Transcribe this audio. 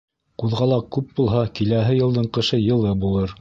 Ҡуҙғалаҡ күп булһа, киләһе йылдың ҡышы йылы булыр.